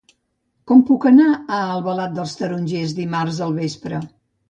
Com puc anar a Albalat dels Tarongers dimarts al vespre?